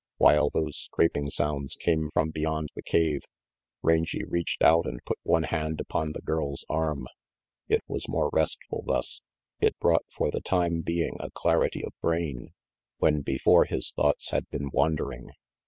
While those scraping sounds came from beyond the cave, Rangy reached out and put one hand upon the girl's arm. It was more restful thus. It brought for the time being a clarity of brain, when before his thoughts had been wander ing.